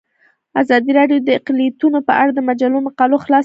ازادي راډیو د اقلیتونه په اړه د مجلو مقالو خلاصه کړې.